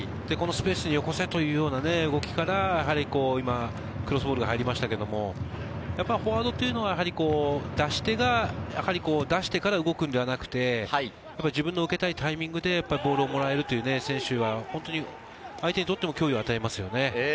このスペースによこせというような動きから今、クロスボールが入りましたけれど、フォワードというのは、出し手が出してから動くのではなくて、自分の受けたいタイミングでボールをもらえるという選手が相手にとっても脅威を与えますよね。